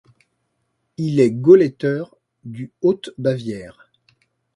Il est Gauleiter du Haute-Bavière.